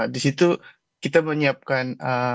di situ kita menyiapkan